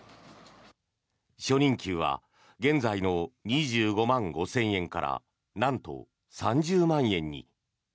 初任給は現在の２５万５０００円からなんと３０万円に。